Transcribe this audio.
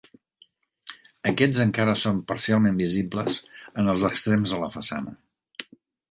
Aquests encara són parcialment visibles en els extrems de la façana.